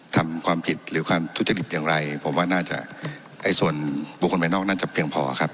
ทำความผิดหรือความทุจริตอย่างไรผมว่าน่าจะไอ้ส่วนบุคคลภายนอกน่าจะเพียงพอครับ